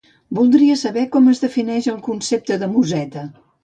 Voldria saber com es defineix el concepte de museta.